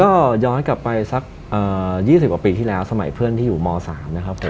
ก็ย้อนกลับไปสัก๒๐กว่าปีที่แล้วสมัยเพื่อนที่อยู่ม๓นะครับผม